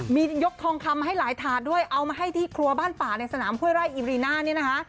มียกทองคำมาให้หลายถาดด้วยเอามาให้ที่ครัวบ้านป่าในสนามห้วยไร่อิรีน่าเนี่ยนะคะ